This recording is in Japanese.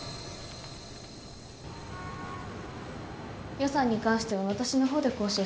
予算に関しては私のほうで交渉しますので。